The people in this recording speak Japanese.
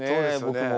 僕も。